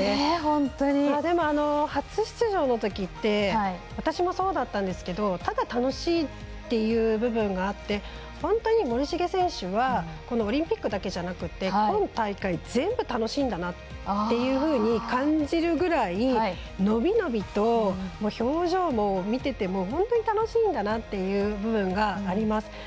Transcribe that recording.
でも、初出場のときって私もそうだったんですけどただ楽しいっていう部分があって本当に森重選手はオリンピックだけじゃなくて今大会、全部楽しんだなと感じるぐらい、伸び伸びと表情も見ていても本当に楽しいんだなという部分があります。